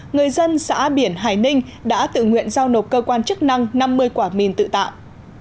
người dân xã biển hải ninh đã tự nguyện giao nộp cơ quan chức năng năm mươi quả mìn tự tạo